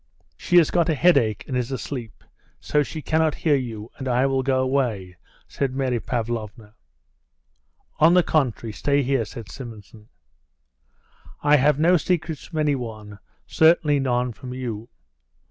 "She has got a headache, and is asleep, so she cannot hear you, and I will go away," said Mary Pavlovna. "On the contrary, stay here," said Simonson; "I have no secrets from any one, certainly none from you."